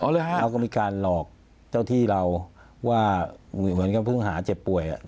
เขาก็มีการหลอกเจ้าที่เราว่าเหมือนกับเพิ่งหาเจ็บป่วย